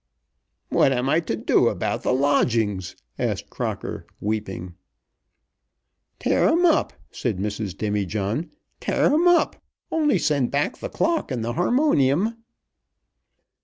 "What am I to do about the lodgings?" asked Crocker weeping. "Tear 'em up," said Mrs. Demijohn. "Tear 'em up. Only send back the clock and the harmonium."